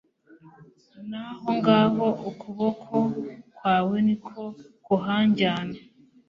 n’aho ngaho ukuboko kwawe ni ko kuhanjyana